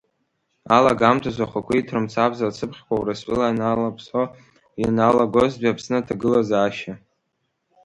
Алагамҭазы ахақәиҭра мцабз ацыԥхьқәа Урыстәыла иаланаԥсо ианалагозтәи Аԥсны аҭагылазаашьа.